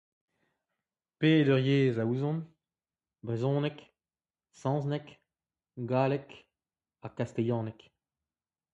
Peder yezh a ouzon : brezhoneg, saozneg, galleg ha kastilhaneg.